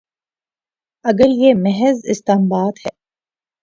اگر یہ محض استنباط ہے۔